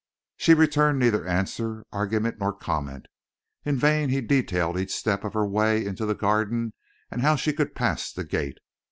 She returned neither answer, argument, nor comment. In vain he detailed each step of her way into the Garden and how she could pass the gate.